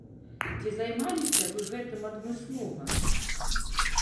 Ці займаліся вы гэтым адмыслова?